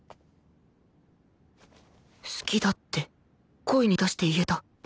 好きだって声に出して言えた